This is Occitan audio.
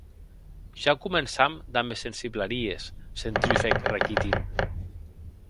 Ja començam damb es sensiblaries!, se'n trufèc Rakitin.